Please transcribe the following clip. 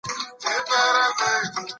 پښتو يو فلسفه ده.